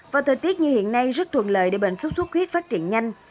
và thời tiết như hiện nay rất thuận lợi để bệnh xuất xuất huyết phát triển nhanh